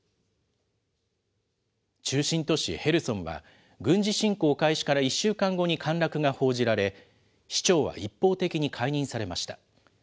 中心都市ヘルソンは、軍事侵攻開始から１週間後に陥落が報じられ、市長は一方的に解任されました。